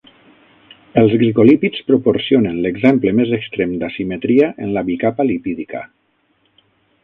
Els glicolípids proporcionen l'exemple més extrem d'asimetria en la bicapa lipídica.